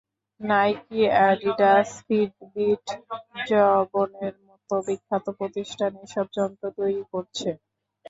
Nike, Adidas, Fitbit, জ্যবোনের মতো বিখ্যাত প্রতিষ্ঠান এসব যন্ত্র তৈরি করছে।